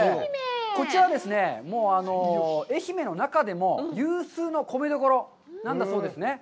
こちらはですね、もう愛媛の中でも有数の米どころなんだそうですね。